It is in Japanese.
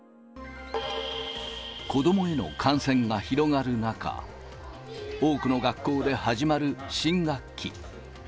子どもへの感染が広がる中、多くの学校で始まる新学期。